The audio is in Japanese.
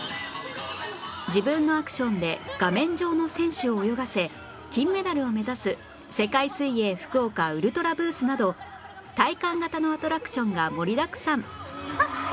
自分のアクションで画面上の選手を泳がせ金メダルを目指す「世界水泳福岡ウルトラブース」など体感型のアトラクションが盛りだくさん